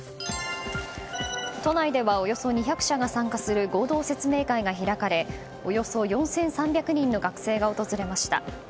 都内ではおよそ２００社が参加する合同説明会が開かれおよそ４３００人の学生が訪れました。